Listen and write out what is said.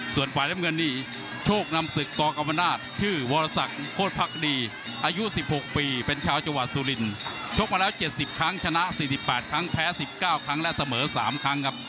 ส่วนฝ่ายแดงเงินนี้โชคนำศึกกรกรรมนาฏชื่อวรสักโคตรภักดีอายุสิบหกปีเป็นชาวจัวร์สุรินชกมาแล้วเจ็ดสิบครั้งชนะสิบสิบแปดครั้งแพ้สิบเก้าครั้งและเสมอสามครั้งครับ